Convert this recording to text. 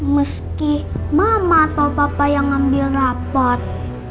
meski mama atau papa yang ambil rapat